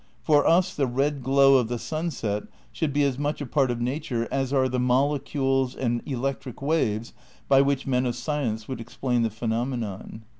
Tor us the red glow of the simset should be as much a part of nature as are the molecules and electric ■waves by which men of science would explain the phenomenon."